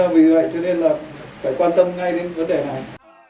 vì vậy phải quan tâm ngay đến vấn đề này